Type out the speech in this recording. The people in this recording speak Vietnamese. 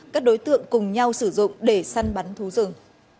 các đối tượng cùng nhau sử dụng để săn bắn thú rừng